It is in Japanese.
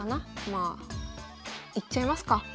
まあいっちゃいますか。